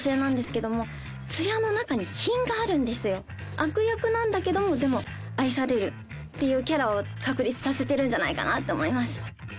悪役なんだけどもでも愛されるっていうキャラを確立させてるんじゃないかなって思います。